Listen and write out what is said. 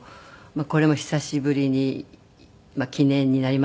これを久しぶりに記念になりましたし３０周年の。